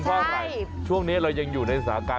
เพราะอะไรช่วงนี้เรายังอยู่ในสถานการณ์